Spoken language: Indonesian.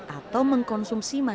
atau mengkonsumsi makanan